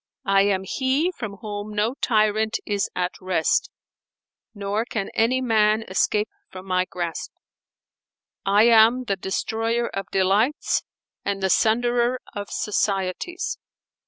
I am he from whom no tyrant is at rest, nor can any man escape from my grasp: I am the Destroyer of delights and the Sunderer of societies."